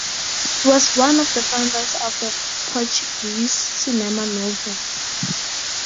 He was one of the founders of the Portuguese Cinema Novo.